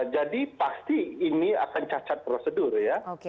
jadi pasti ini akan cacat prosedur ya